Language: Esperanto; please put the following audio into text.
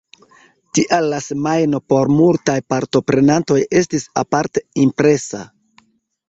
Tial la semajno por multaj partoprenantoj estis aparte impresa.